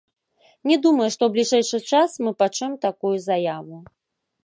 Не думаю, што ў бліжэйшы час мы пачуем такую заяву.